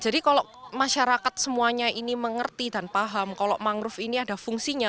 jadi kalau masyarakat semuanya ini mengerti dan paham kalau mangrove ini ada fungsinya